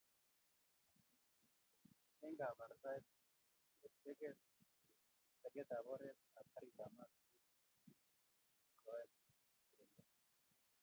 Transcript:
Eng'kabartaet ko teget ab oret ab garit ab mat koibu koet emet